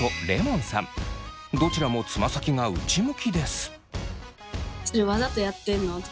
どちらもつま先が内向きです。